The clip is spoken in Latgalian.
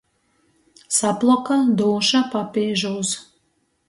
Saploka dūša papīžūs.